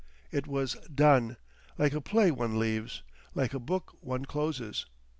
It was done, like a play one leaves, like a book one closes.